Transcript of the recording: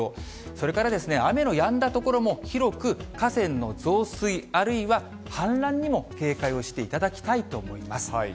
それからですね、雨のやんだ所も広く河川の増水、あるいは氾濫にも警戒をしていただきたいと思います。